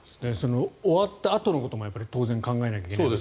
終わったあとのことも当然考えなきゃいけないと。